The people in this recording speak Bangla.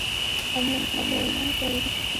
আমি আমার বাড়িতে গিয়ে দেখছি।